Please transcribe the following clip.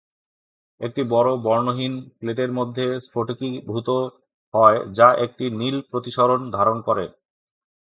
এটি বড় বর্ণহীন প্লেটের মধ্যে স্ফটিকীভূত হয় যা একটি নীল প্রতিসরণ ধারণ করে।